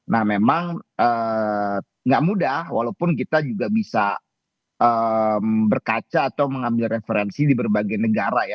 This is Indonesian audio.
nah memang nggak mudah walaupun kita juga bisa berkaca atau mengambil referensi di berbagai negara ya